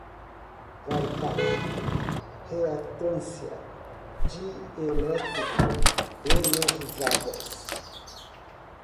varicap, reatância, dielétrico, energizadas